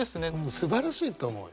すばらしいと思うよ。